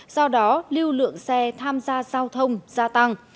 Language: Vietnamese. do đó lưu lượng xe tham gia giao thông gia tăng